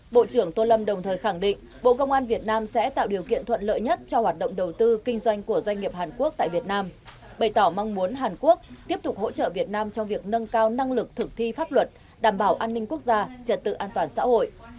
bộ trưởng tô lâm đồng thời khẳng định bộ công an việt nam sẽ tạo điều kiện thuận lợi nhất cho hoạt động đầu tư kinh doanh của doanh nghiệp hàn quốc tại việt nam bày tỏ mong muốn hàn quốc tiếp tục hỗ trợ việt nam trong việc nâng cao năng lực thực thi pháp luật đảm bảo an ninh quốc gia trật tự an toàn xã hội